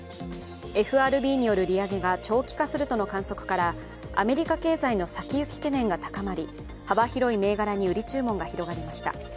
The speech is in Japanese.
ＦＲＢによる利上げが長期化するとの観測からアメリカ経済の先行き懸念が高まり幅広い銘柄に売り注文が広がりました。